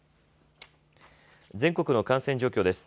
全国の感染状況です。